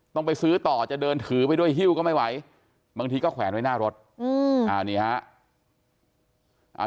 ต้องไปซื้อต่อจะเดินถือไปด้วยฮิ้วก็ไม่ไหวบางทีก็แขวนไว้หน้ารถนี่ฮะ